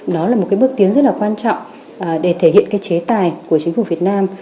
đó là một cái bước tiến rất là quan trọng để thể hiện cái chế tài của chính phủ việt nam